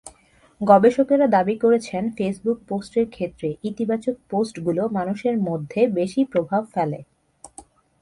গবেষকেরা দাবি করেছেন, ফেসবুক পোস্টের ক্ষেত্রে ইতিবাচক পোস্টগুলো মানুষের মধ্যে বেশি প্রভাব ফেলে।